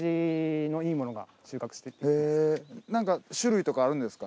なんか種類とかあるんですか？